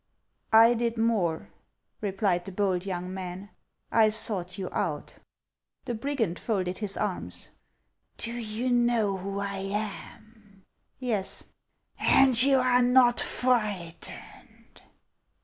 " I did more," replied the bold young man ;" I sought you out." The brigand folded his arms. " Do you know who I am ?"" Yes." " And you are not frightened